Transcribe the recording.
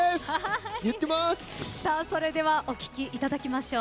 それではお聴きいただきましょう。